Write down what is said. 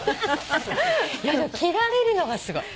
いやでも着られるのがすごい。